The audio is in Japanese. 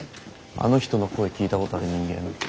あの人の声聞いたことある人間